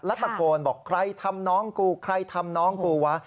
แล้วตะโกนบอกใครทำน้องกูใครทำน้องกูวะ